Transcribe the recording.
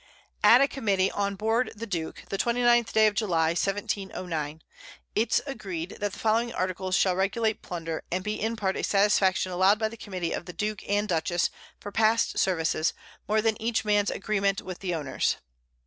At a Committee on board the Duke, the 29th Day of July, 1709. It's agreed, that the following Articles shall regulate Plunder, and be in part a Satisfaction allow'd by the Committee of the Duke and Dutchess, for past Services, more than each Man's Agreement with the Owners.